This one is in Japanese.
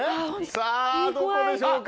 さぁどこでしょうか？